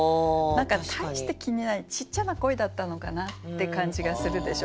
何か大して気にしないちっちゃな恋だったのかなって感じがするでしょう？